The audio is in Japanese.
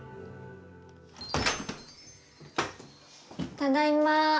ただいま。